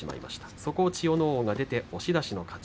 そこを千代ノ皇が出て押し出しの勝ち。